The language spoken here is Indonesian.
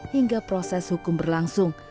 hingga proses hukum berlangsung